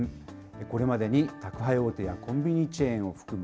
これまでに宅配大手やコンビニチェーンを含む